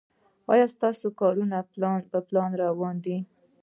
ایا ستاسو کارونه په پلان روان دي؟